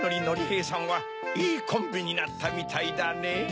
へいさんはいいコンビになったみたいだねぇ。